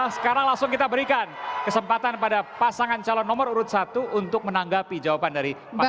sekarang langsung kita berikan kesempatan pada pasangan calon nomor urut satu untuk menanggapi jawaban dari pasangan